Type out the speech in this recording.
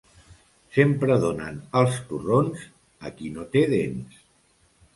Sempre donen els torrons a qui no té dents.